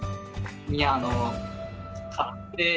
いやあの。